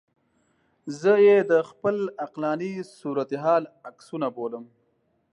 زه یې د خپل عقلاني صورتحال عکسونه بولم.